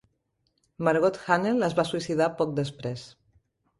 Margot Hanel es va suïcidar poc després.